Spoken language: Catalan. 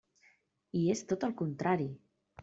I és tot el contrari!